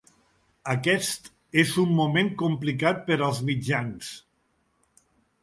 Aquest és un moment complicat per als mitjans.